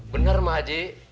bener mang haji